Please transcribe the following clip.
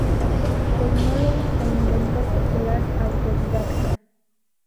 Tecnólogo e inventor popular autodidacta.